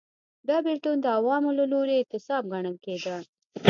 دا بېلتون د عوامو له لوري اعتصاب ګڼل کېده.